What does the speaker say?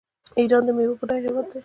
ایران د میوو بډایه هیواد دی.